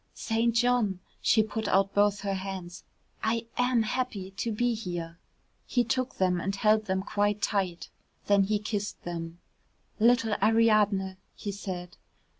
"St. John," she put out both her hands. "I am happy to be here." He took them and held them quite tight, then he kissed them. "Little Ariadne," he said.